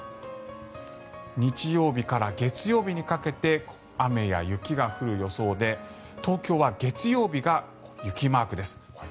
日曜日から月曜日にかけて雨や雪が降る予想で東京は月曜日が雪マークです。